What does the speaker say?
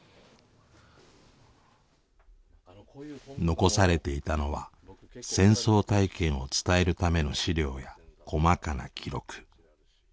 遺されていたのは戦争体験を伝えるための資料や細かな記録。